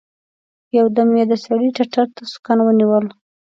يو دم يې د سړي ټتر ته سوکان ونيول.